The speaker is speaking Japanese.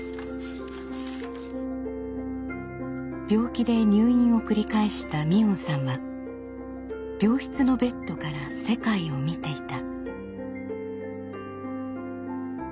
病気で入院を繰り返した海音さんは病室のベッドから世界を見ていた。